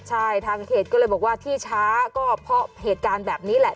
ใช่ทางเพจก็เลยบอกว่าที่ช้าก็เพราะเหตุการณ์แบบนี้แหละ